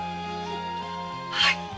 はい。